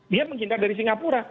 biar menghindar dari singapura